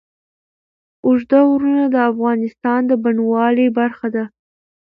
اوږده غرونه د افغانستان د بڼوالۍ برخه ده.